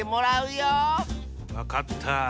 わかった。